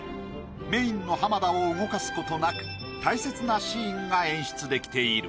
メインの浜田を動かすことなく大切なシーンが演出できている。